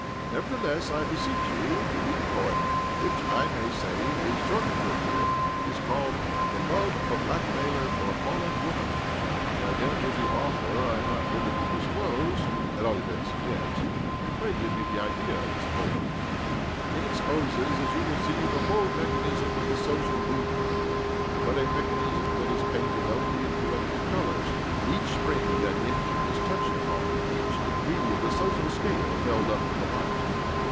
Nevertheless, I beseech you to read a poem which, I may say, is shortly to appear. It is called ' The Love of a Blackmailer for a Fallen Woman.' The identity of the author I am not at liberty to disclose— at all events yet." " Pray give me an idea of this poem." " It exposes, as you will see, the whole mechanism of the social movement— but a mechanism that is painted only in poetic colours. Each spring of that engine is touched upon, arid each degree of the social scale held up to the light.